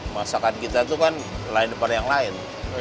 masakan kita itu kan lain pada yang lain